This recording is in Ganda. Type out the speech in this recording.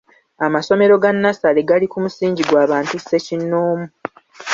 Amasomero ga nnassale gali ku musingi gwa bantu ssekinnoomu.